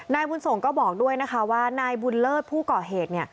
บุญส่งก็บอกด้วยนะคะว่านายบุญเลิศผู้ก่อเหตุ